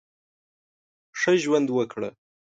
ښه ژوند وکړه !